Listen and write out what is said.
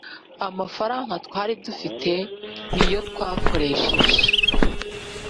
Amafaranga twari dufite niyo twakoresheje